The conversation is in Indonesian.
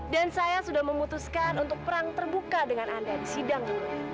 dan saya sudah memutuskan untuk perang terbuka dengan anda di sidang